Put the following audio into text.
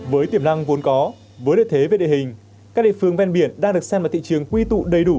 với tiềm năng vốn có với lợi thế về địa hình các địa phương ven biển đang được xem là thị trường quy tụ đầy đủ